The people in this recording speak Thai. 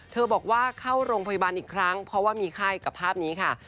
บอกว่าเข้าโรงพยาบาลอีกครั้งเพราะว่ามีไข้กับภาพนี้ค่ะ